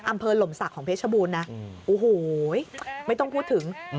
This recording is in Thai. หล่มศักดิ์ของเพชรบูรณ์นะโอ้โหไม่ต้องพูดถึง